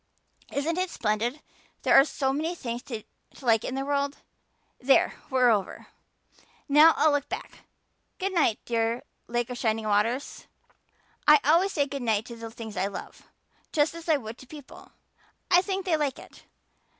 Isn't it splendid there are so many things to like in this world? There we're over. Now I'll look back. Good night, dear Lake of Shining Waters. I always say good night to the things I love, just as I would to people. I think they like it.